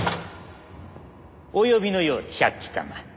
お呼びのようで百鬼様。